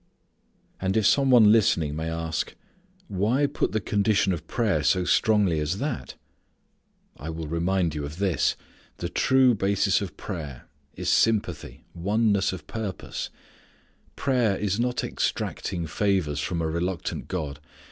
And if some one listening may ask: Why put the condition of prayer so strongly as that? I will remind you of this. The true basis of prayer is sympathy, oneness of purpose. Prayer is not extracting favours from a reluctant God.